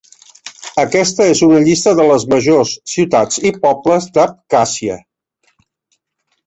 Aquesta és una llista de les majors ciutats i pobles d'Abkhàzia.